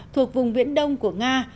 thuộc vùng viễn đông của nga